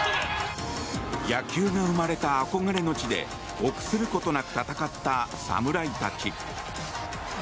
野球が生まれた憧れの地で臆することなく戦った侍たち。